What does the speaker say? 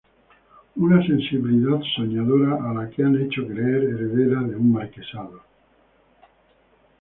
Una sensibilidad soñadora a la que han hecho creer heredera de un marquesado.